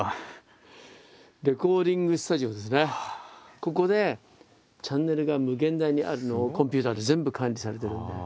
ここでチャンネルが無限大にあるのをコンピューターで全部管理されてるので。